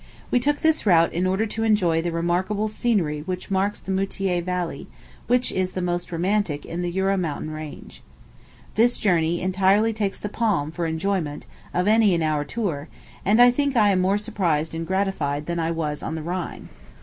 We took this route in order to enjoy the remarkable scenery which marks the Moutiers Valley, which is the most romantic in the Jura Mountain range. This journey entirely takes the palm, for enjoyment, of any in our tour; and I think I am more surprised and gratified than I was on the Rhine.